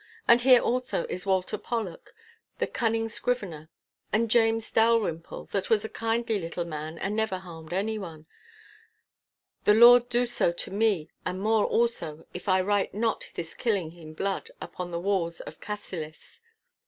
And here also is Walter Pollock, the cunning scrivener—and James Dalrymple, that was a kindly little man and never harmed anyone—the Lord do so to me, and more also, if I write not this killing in blood upon the walls of Cassillis!